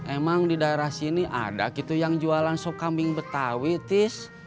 emang di daerah sini ada gitu yang jualan sop kambing betawi tis